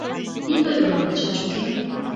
— Ит ойгыро, Чачукем.